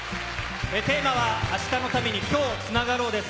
テーマは「明日のために、今日つながろう。」です。